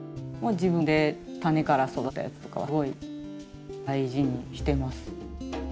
自分でタネから育てたやつとかはすごい大事にしてます。